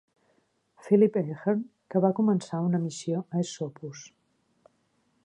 Philip Ahern, que va començar una missió a Esopus.